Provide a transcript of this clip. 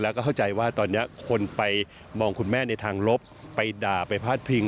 แล้วก็เข้าใจว่าตอนนี้คนไปมองคุณแม่ในทางลบไปด่าไปพาดพิง